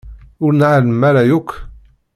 Ur nɛellem ara yakk.